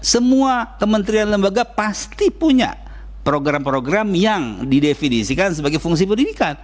semua kementerian lembaga pasti punya program program yang didefinisikan sebagai fungsi pendidikan